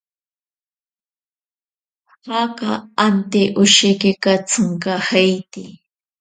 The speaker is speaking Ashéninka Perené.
Jaka ante osheki katsinkajeiti.